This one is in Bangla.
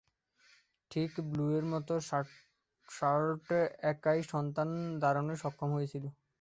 ঠিক ব্লুয়ের মতো শার্লট একাই সন্তান ধারণে সক্ষম হয়েছিল।